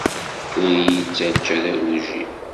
Ur iyi-ttaǧǧa d agujil.